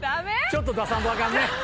ちょっと出さんとアカンね。